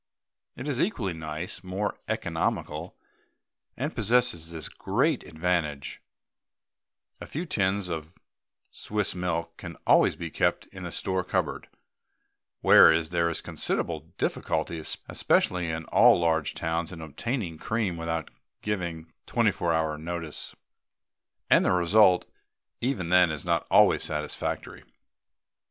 It is equally nice, more economical, and possesses this great advantage: a few tins of Swiss milk can always be kept in the store cupboard, whereas there is considerable difficulty, especially in all large towns, in obtaining cream without giving twenty four hours' notice, and the result even then is not always satisfactory.